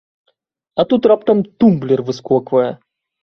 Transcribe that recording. А тут раптам тумблер выскоквае.